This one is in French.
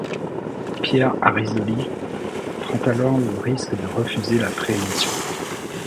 Pierre Arizzoli prend alors le risque de refuser la préemption.